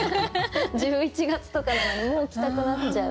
１１月とかなのにもう着たくなっちゃう。